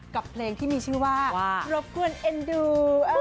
กับเพลงที่มีชื่อว่ารบกวนเอ็นดู